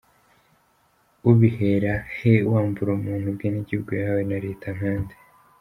!Ubihera he wambura umuntu ubwenegihugu yahawe na leta nkande??